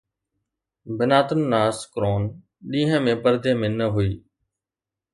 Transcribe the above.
بنات الناس ڪرون ڏينهن ۾ پردي ۾ نه هئي